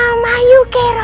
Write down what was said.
mama yuk kero